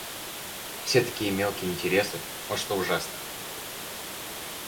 Все такие мелкие интересы, вот что ужасно!